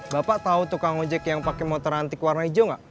bapak tau tukang ngejek yang pake motor antik warna hijau gak